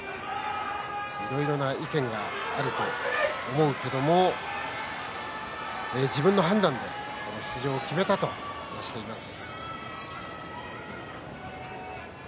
いろいろな意見があると思うけれども自分の判断で出場を決めたと話しています。